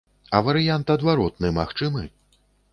А варыянт адваротны магчымы?